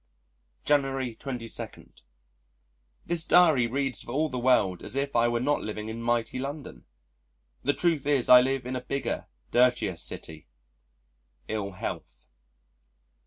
January 22. This Diary reads for all the world as if I were not living in mighty London. The truth is I live in a bigger, dirtier city ill health.